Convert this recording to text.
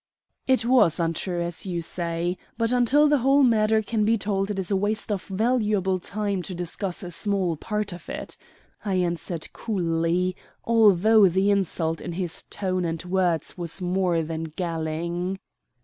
"It was untrue, as you say. But until the whole matter can be told it is a waste of valuable time to discuss a small part of it," I answered coolly, although the insult in his tone and words was more than galling.